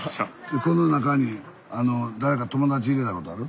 この中に誰か友達入れたことある？